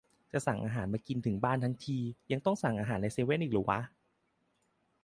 "จะสั่งอาหารมากินถึงบ้านทั้งที ยังต้องสั่งอาหารในเซเว่นอีกเหรอวะ"